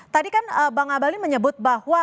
tadi kan bang abalin menyebut bahwa